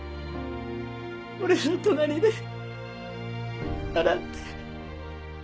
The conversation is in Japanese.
俺の隣で笑って。